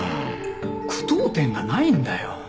句読点がないんだよ。